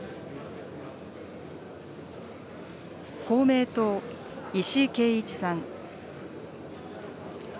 公明党、石井啓一さん。